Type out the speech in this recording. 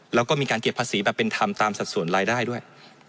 แล้วก็มีการเก็บภาษีแบบเป็นธรรมตามสัดส่วนรายได้ด้วย